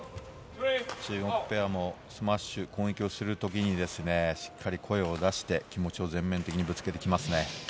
中国ペアもスマッシュをする時にしっかりと声を出して気持ちを全面的にぶつけてきますね。